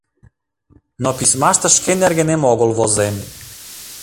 Но письмаште шке нергенем огыл возем.